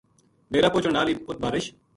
ڈیرو پہچن نال ہی اُت بارش